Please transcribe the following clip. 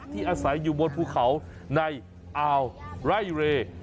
อาศัยอยู่บนภูเขาในอ่าวไร่เร